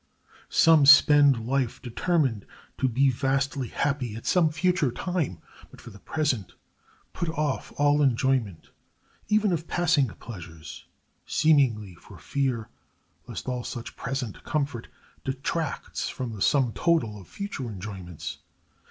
Some spend life determined to be vastly happy at some future time, but for the present put off all enjoyment even of passing pleasures, seemingly for fear lest all such present comfort detracts from the sum total of future enjoyments.